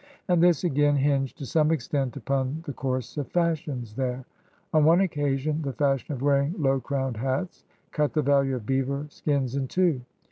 And this, again, hinged to some extent upon the course of fashions there. On one occasion the fashion of wearing low crowned hats cut the value of beaver skins in two.